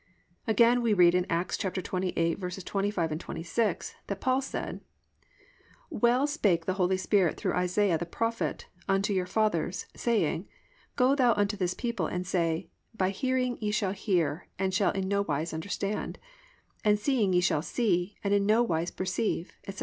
Again we read in Acts 28:25, 26 that Paul said, +"Well spake the Holy Spirit through Isaiah the prophet, unto your fathers, (26) saying, Go thou unto this people and say, By hearing ye shall hear and shall in no wise understand; and seeing ye shall see, and shall in no wise perceive, etc."